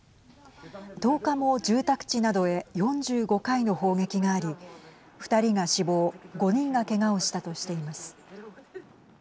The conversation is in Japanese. １０日も住宅地などへ４５回の砲撃があり２人が死亡、５人がけがをしたとしています。